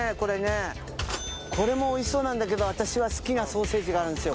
これもおいしそうなんだけど私は好きなソーセージがある。